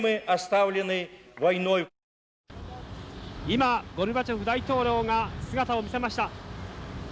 今、ゴルバチョフ大統領が姿を見せました。